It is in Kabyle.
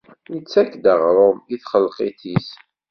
Ittak-d aɣrum i txelqit-is.